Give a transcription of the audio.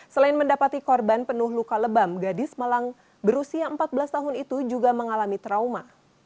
selain mendapati korban penuh luka lebam gadis malang berusia empat belas tahun itu juga mengalami trauma